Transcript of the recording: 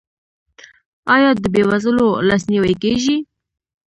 آیا د بې وزلو لاسنیوی کیږي؟